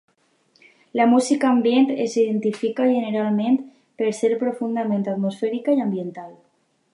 La música ambient s'identifica generalment per ser profundament atmosfèrica i ambiental.